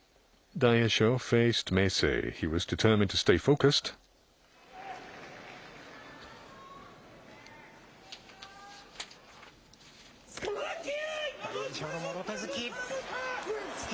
大栄翔のもろ手突き。